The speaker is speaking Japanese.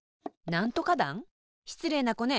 しつれいなこね。